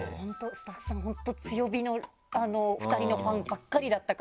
スタッフさん本当強火の２人のファンばっかりだったから。